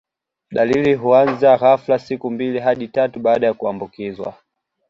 Dalili huanza ghafla siku mbili hadi tatu baada ya kuambukizwa